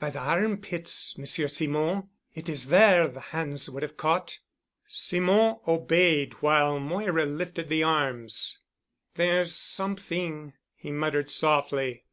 "By the armpits, Monsieur Simon. It is there the hands would have caught." Simon obeyed while Moira lifted the arms. "There's something," he muttered softly.